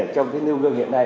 trong nêu gương hiện nay